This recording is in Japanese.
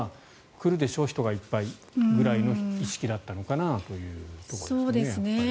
来るでしょ人はいっぱいぐらいの意識だったのかなというところですね。